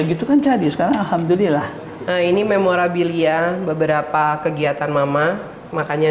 gitu kan jadi sekarang alhamdulillah ini memorabilia beberapa kegiatan mama makanya